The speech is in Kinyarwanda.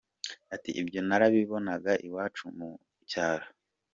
Ati “Ibyo narabibonaga iwacu mu cyaro.